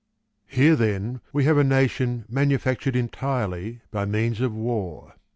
Here then we have a nation manufactured by means of war.